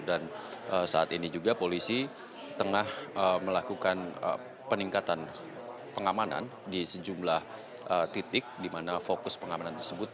dan saat ini juga polisi tengah melakukan peningkatan pengamanan di sejumlah titik di mana fokus pengamanan tersebut